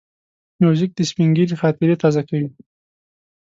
موزیک د سپینږیري خاطرې تازه کوي.